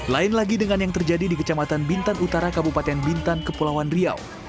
lain lagi dengan yang terjadi di kecamatan bintan utara kabupaten bintan kepulauan riau